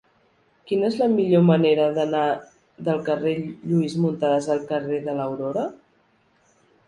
Quina és la millor manera d'anar del carrer de Lluís Muntadas al carrer de l'Aurora?